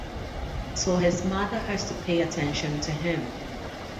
So his mother has to pay attention to him.